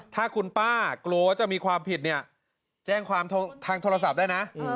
ถ้าคุณป้ากลัวว่าจะมีความผิดเนี่ยแจ้งความทางโทรศัพท์ได้นะ